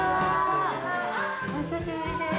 お久しぶりです。